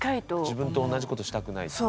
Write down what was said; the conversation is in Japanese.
自分と同じことしたくない。